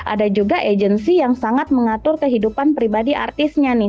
ada juga agency yang sangat mengatur kehidupan pribadi artisnya nih